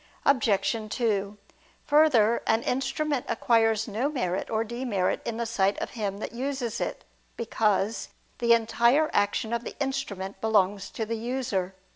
Obj. 2: Further, an instrument acquires no merit or demerit in the sight of him that uses it; because the entire action of the instrument belongs to the user.